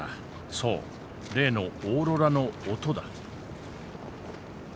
そう例のオーロラの音だ。